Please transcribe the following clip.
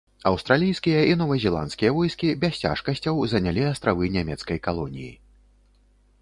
Аўстралійскія і новазеландскія войскі без цяжкасцяў занялі астравы нямецкай калоніі.